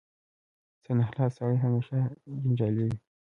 سرناخلاصه سړی همېشه جنجالي وي.